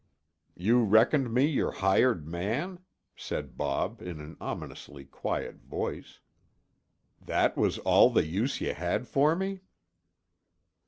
"You reckoned me your hired man?" said Bob in an ominously quiet voice. "That was all the use you had for me?"